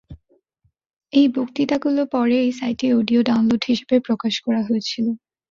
এই বক্তৃতাগুলো পরে এই সাইটে অডিও ডাউনলোড হিসেবে প্রকাশ করা হয়েছিল।